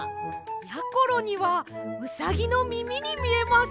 やころにはうさぎのみみにみえます。